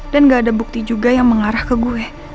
dan gak ada bukti juga yang mengarah ke gue